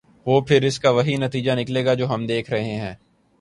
تو پھر اس کا وہی نتیجہ نکلے گا جو ہم دیکھ رہے ہیں۔